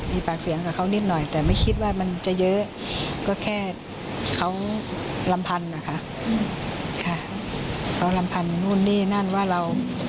มีปากเสียงกับเขานิดหน่อยแต่ไม่คิดว่ามันจะเยอะ